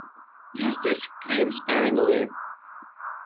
Use this cream sparingly.